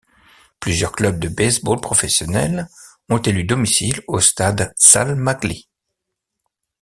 Plusieurs clubs de baseball professionnels ont élu domicile au stade Sal Maglie.